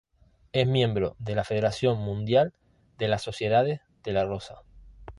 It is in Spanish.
Es miembro de la federación mundial de las sociedades de la rosa.